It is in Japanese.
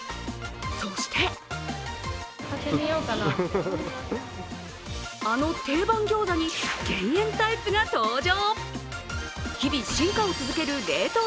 そしてあの定番ギョーザに減塩タイプが登場。